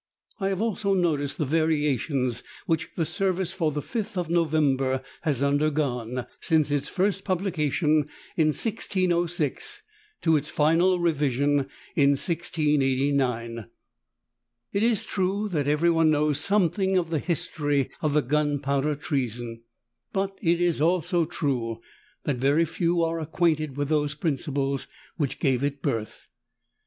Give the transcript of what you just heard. I have also noticed the variations which the Service for the Fifth of November has undergone, since its first publication in 1606, to its final revision in 1689. It is true that every one knows something of the history of the Gunpowder Treason: but it is also true, that very few are acquainted with those principles which gave it birth.